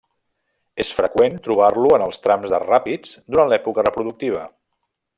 És freqüent trobar-lo en els trams de ràpids durant l'època reproductiva.